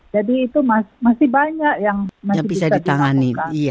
jadi itu masih banyak yang bisa ditangani